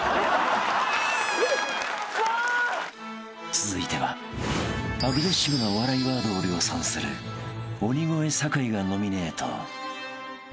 ［続いてはアグレッシブなお笑いワードを量産する鬼越坂井がノミネート］